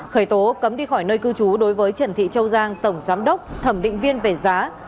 khởi tố cấm đi khỏi nơi cư trú đối với trần thị châu giang tổng giám đốc thẩm định viên về giá